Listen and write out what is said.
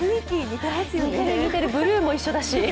似てる、似てる、ブルーも一緒だし。